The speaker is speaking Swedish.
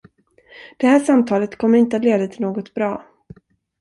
Det här samtalet kommer inte att leda till något bra.